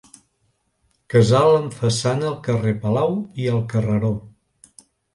Casal amb façana al carrer Palau i al Carreró.